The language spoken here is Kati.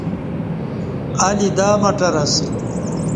الی دا مٹر اسہ۔